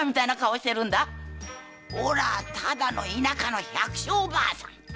おらはただの田舎の百姓婆さん。